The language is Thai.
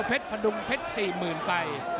พดุงเพชร๔๐๐๐ไป